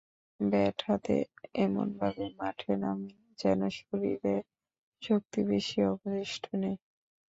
Bat হাতে এমনভাবে মাঠে নামেন, যেন শরীরে শক্তি বেশি অবশিষ্ট নেই।